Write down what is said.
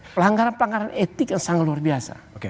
pelanggaran pelanggaran etik yang sangat luar biasa